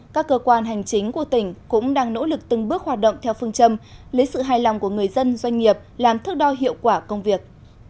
các cơ quan hành chính của tỉnh cũng đang nỗ lực từng bước hoạt động theo phương châm lấy sự hài lòng của người dân doanh nghiệp làm thức đo hiệu quả công việc